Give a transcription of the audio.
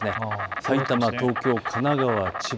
埼玉、東京、神奈川、千葉